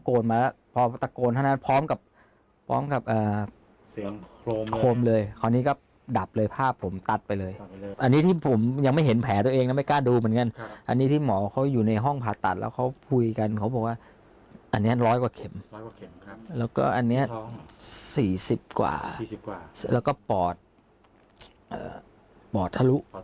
โอ้โฮพี่โดงขนาดนี้เหรอพี่สุวิต